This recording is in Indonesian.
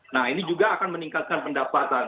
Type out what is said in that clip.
nah ini juga akan meningkatkan pendapatan